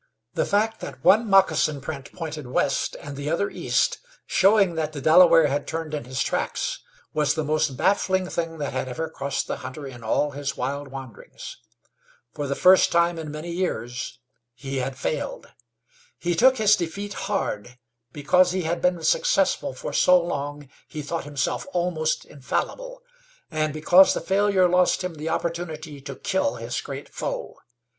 The fact that one moccasin print pointed west and the other east, showed that the Delaware had turned in his tracks, was the most baffling thing that had ever crossed the hunter in all his wild wanderings. For the first time in many years he had failed. He took his defeat hard, because he had been successful for so long he thought himself almost infallible, and because the failure lost him the opportunity to kill his great foe.